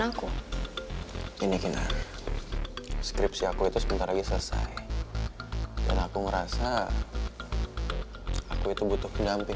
aku ini kina skripsi aku itu sebentar lagi selesai dan aku ngerasa aku itu butuh pendamping